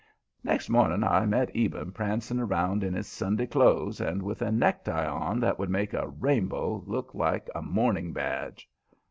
Next morning I met Eben prancing around in his Sunday clothes and with a necktie on that would make a rainbow look like a mourning badge.